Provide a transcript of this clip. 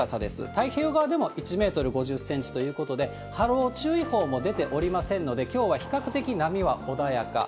太平洋側でも１メートル５０センチということで、波浪注意報も出ておりませんので、きょうは比較的波は穏やか。